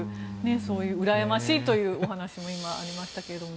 そういううらやましいというお話も今ありましたけども。